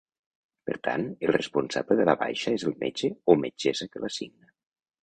Per tant, el responsable de la baixa és el metge o metgessa que la signa.